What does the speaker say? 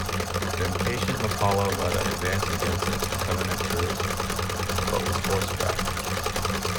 The impatient MacColla led an advance against the Covenanters but was forced back.